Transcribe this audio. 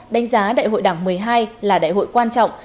đánh giá đại hội đảng một mươi hai là đại hội quan trọng